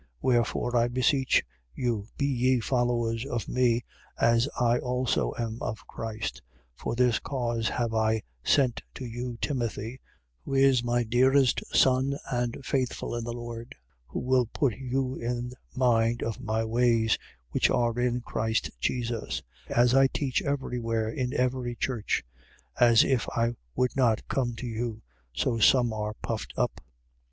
Wherefore, I beseech you, be ye followers of me as I also am of Christ. 4:17. For this cause have I sent to you Timothy, who is my dearest son and faithful in the Lord. Who will put you in mind of my ways, which are in Christ Jesus: as I teach every where in every church. 4:18. As if I would not come to you, so some are puffed up. 4:19.